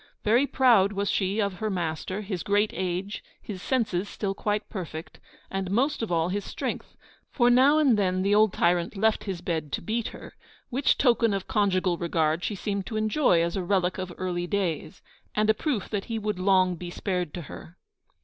Very proud was she of her 'master,' his great age, his senses still quite perfect, and most of all his strength, for now and then the old tyrant left his bed to beat her, which token of conjugal regard she seemed to enjoy as a relic of early days, and a proof that he would long be spared to her.